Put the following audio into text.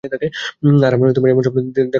আর আমারো এমন স্বপ্ন দেখার মতো বয়স আর ছিল না।